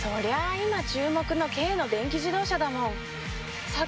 今注目の軽の電気自動車だもん。